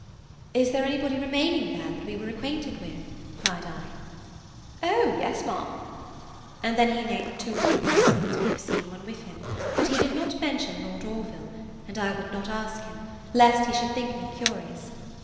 "Is there any body remaining there, that we were acquainted with?" cried I. "O yes, Ma'am." And then he named two or three persons we have seen when with him; but he did not mention Lord Orville, and I would not ask him, lest he should think me curious.